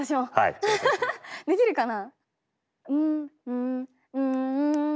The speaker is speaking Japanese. できるかな？